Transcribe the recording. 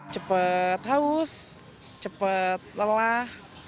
cepat haus cepat lelah